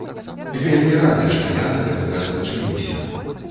Вельмі рады, што я да гэтага спрычыніўся.